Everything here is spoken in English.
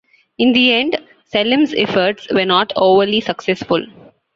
In the end Selim's efforts were not overly successful.